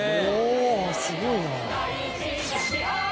おぉすごいな。